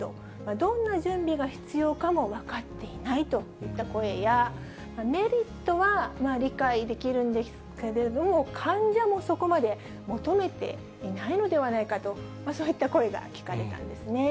どんな準備が必要かも分かっていないといった声や、メリットは理解できるんですけれども、患者もそこまで求めていないのではないかと、そういった声が聞かれたんですね。